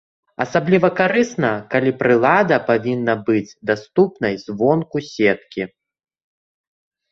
Асабліва карысна, калі прылада павінна быць даступнай звонку сеткі.